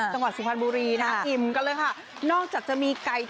จังหวะสุพรารบุรีนะครับ